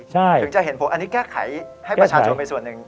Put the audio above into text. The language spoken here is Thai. ถึงจะเห็นผลอันนี้แก้ไขให้ประชาชนไปส่วนหนึ่ง